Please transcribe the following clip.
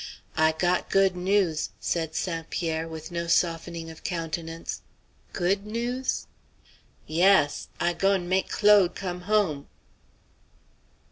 "I got good news," said St. Pierre, with no softening of countenance. "Good news?" "Yass. I goin' make Claude come home."